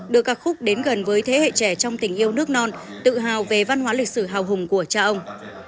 đưa ca khúc đến gần với thế hệ trẻ trong tình yêu nước non tự hào về văn hóa lịch sử hào hùng của cha ông